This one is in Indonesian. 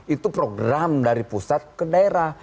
itu program dari pusat ke daerah